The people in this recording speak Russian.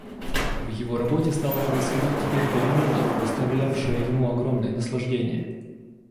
В его работе стала происходить теперь перемена, доставлявшая ему огромное наслаждение.